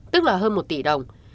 tức là hơn một tỷ đồng